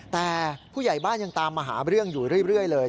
แต่ผู้ใหญ่บ้านยังตามมาหาเรื่องอยู่เรื่อยเลย